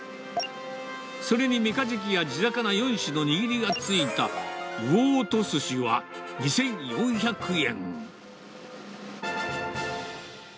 それにメカジキや地魚４種の握りがついた魚音すしは２４００円。